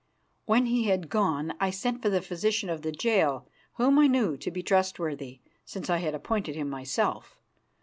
When he had gone, I sent for the physician of the jail, whom I knew to be trustworthy, since I had appointed him myself.